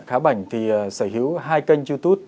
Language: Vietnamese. khá bảnh thì sở hữu hai kênh youtube